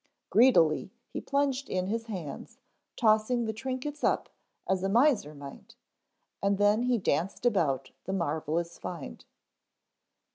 Greedily he plunged in his hands, tossing the trinkets up as a miser might, and then he danced about the marvelous find.